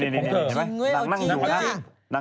นี่นางนั่งอยู่นะ